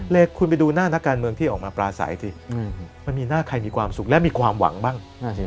เลยคุณไปดูหน้านักการเมืองที่ออกมาปลาใสสิมันมีหน้าใครมีความสุขและมีความหวังบ้าง